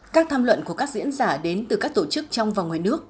các tham luận của các diễn giả đến từ các tổ chức trong và ngoài nước